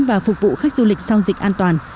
và phục vụ khách du lịch sau dịch an toàn